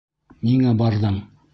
Ниңә барҙың?